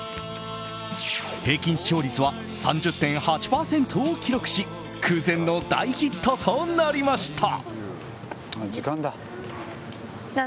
平均視聴率は３０．８％を記録し空前の大ヒットとなりました。